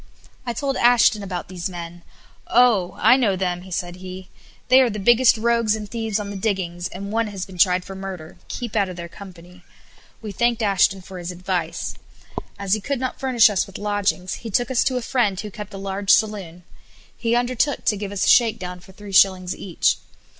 I told Ashton about these men. "Oh! I know them," said he, "they are the biggest rogues and thieves on the diggings, and one has been tried for murder; keep out of their company." We thanked Ashton for his advice. As he could not furnish us with lodgings, he took us to a friend who kept a large saloon. He undertook to give us a shakedown for three shillings each.